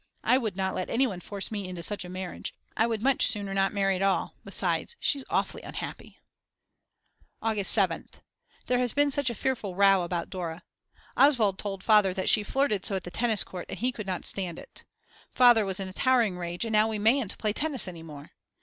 I would not let anyone force me into such a marriage, I would much sooner not marry at all, besides she's awfully unhappy. August 7th. There has been such a fearful row about Dora. Oswald told Father that she flirted so at the tennis court and he could not stand it. Father was in a towering rage and now we mayn't play tennis any more.